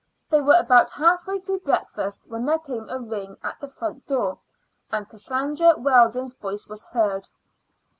They were about half way through breakfast when there came a ring at the front door, and Cassandra Weldon's voice was heard.